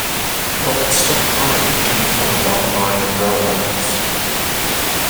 Roberts took pride in coming from a long line of railroaders.